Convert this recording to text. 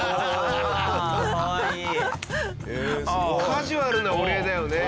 カジュアルなお礼だよね。